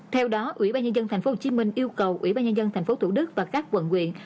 theo đó ủy ban nhân dân tp hcm yêu cầu ủy ban nhân dân tp thủ đức và các quận quyện